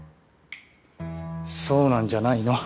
そうなんじゃないの？